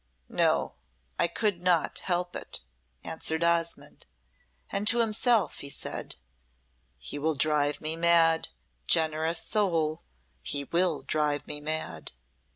"No, I could not help it," answered Osmonde, and to himself he said, "He will drive me mad, generous soul; he will drive me mad."